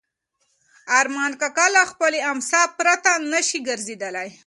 ارمان کاکا له خپلې امسا پرته نه شي ګرځېدلی.